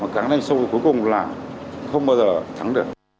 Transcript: càng đánh sâu cuối cùng là không bao giờ thắng được